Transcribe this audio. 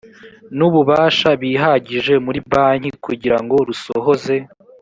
n ububasha bihagije muri banki kugira ngo rusohoze